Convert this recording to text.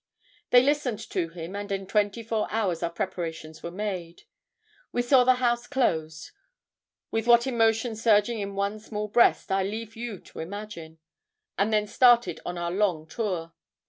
They listened to him and in twenty four hours our preparations were made. We saw the house closed with what emotions surging in one small breast, I leave you to imagine and then started on our long tour.